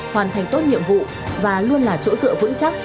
hoàn thành tốt nhiệm vụ và luôn là chỗ dựa vững chắc